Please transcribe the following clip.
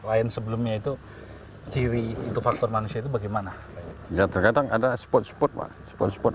lain sebelumnya itu ciri itu faktor manusia itu bagaimana ya terkadang ada spot spot pak spot spot